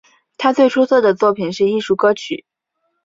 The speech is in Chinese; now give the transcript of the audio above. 他最出色的作品是艺术歌曲。